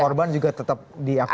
korban juga tetap diakomodasi